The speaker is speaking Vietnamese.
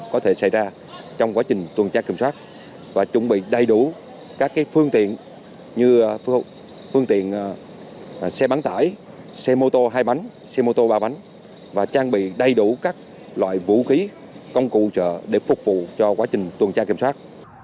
chúng tôi đã chuẩn bị đầy đủ các phương tiện như phương tiện xe bắn tải xe mô tô hai bánh xe mô tô ba bánh và trang bị đầy đủ các loại vũ khí công cụ trợ để phục vụ cho quá trình tuần tra kiểm soát